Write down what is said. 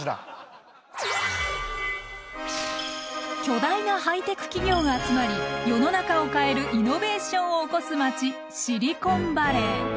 巨大なハイテク企業が集まり世の中を変えるイノベーションを起こす街シリコンバレー。